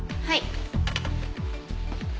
はい。